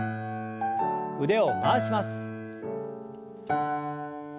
腕を回します。